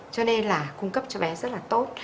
cho nên là cung cấp cho bé rất là tốt